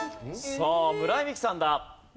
さあ村井美樹さんだ。